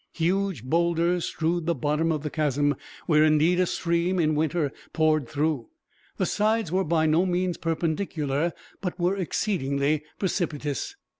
Huge boulders strewed the bottom of the chasm; where indeed a stream, in winter, poured through. The sides were by no means perpendicular, but were exceedingly precipitous.